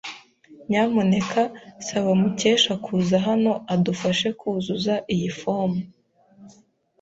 Nyamuneka saba Mukesha kuza hano adufashe kuzuza iyi fomu.